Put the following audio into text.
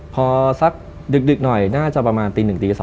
พอสักดึกหน่อยน่าจะประมาณตี๑ตี๒